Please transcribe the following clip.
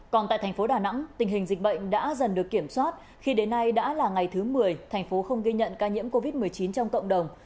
còn tại tp hcm tình hình dịch bệnh đã dần được kiểm soát khi đến nay đã là ngày thứ một mươi tp hcm không ghi nhận ca nhiễm covid một mươi chín trong cộng đồng